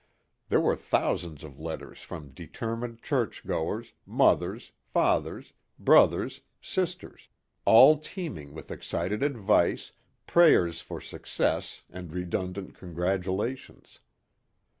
There were thousands of letters from determined church goers, mothers, fathers, brothers, sisters, all teeming with excited advice, prayers for success and redundant congratulations.